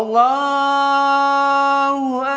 allahu akbar allahu akbar